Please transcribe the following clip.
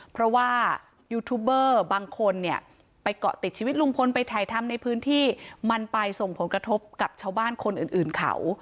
เพราะว่ายูทูบเบอร์บางคนเนี่ยไปเกาะติดชีวิตลุงพลไปถ่ายทำในพื้นที่มันไปส่งผลกระทบกับชาวบ้านคนอื่นเขา